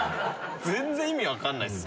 全然意味分かんないっす。